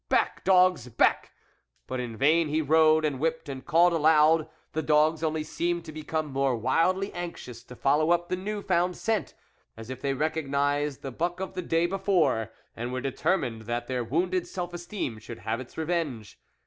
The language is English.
Back, dogs ! back !" But in vain he rode, and whipped, and called aloud, the dogs only seemed to become more wildly anxious to follow up the new found scent, as if they recognised the buck of the day before, and were determined that their wounded self esteem should have its revenge.